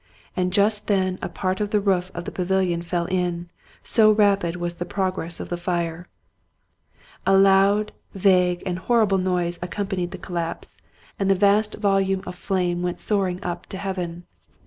And just then a part of the roof of the pavilion fell in, so rapid was the progress of the fire. A loud, vague, and hor rible noise accompanied the collapse, and a vast volume of 206 Robert Louis Stevenson flame went soaring up to heaven.